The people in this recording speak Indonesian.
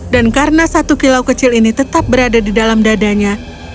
dan karena satu kilau kecil ini tetap berada di dalam dadanya